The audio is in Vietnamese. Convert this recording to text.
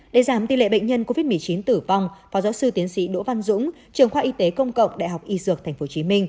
để giảm tỷ lệ bệnh nhân covid một mươi chín tử vong phó giáo sư tiến sĩ đỗ văn dũng trường khoa y tế công cộng đại học y dược tp hcm